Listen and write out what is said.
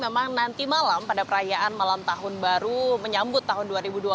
memang nanti malam pada perayaan malam tahun baru menyambut tahun dua ribu dua puluh